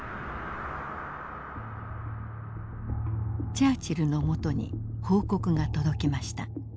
チャーチルのもとに報告が届きました。